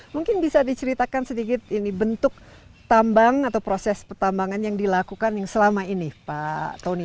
mungkin bisa diceritakan sedikit ini bentuk tambang atau proses pertambangan yang dilakukan yang selama ini pak tony